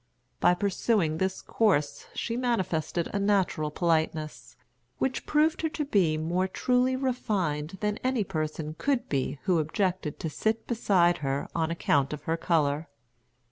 By pursuing this course she manifested a natural politeness, which proved her to be more truly refined than any person could be who objected to sit beside her on account of her color.